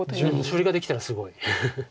それができたらすごい。